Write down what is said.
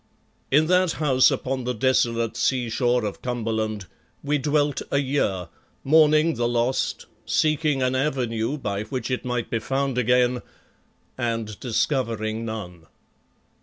In that house upon the desolate sea shore of Cumberland, we dwelt a year, mourning the lost, seeking an avenue by which it might be found again and discovering none.